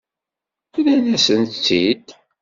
Rrant-asent-tt-id?